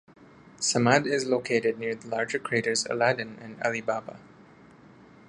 Samad is located near the larger craters Aladdin and Ali Baba.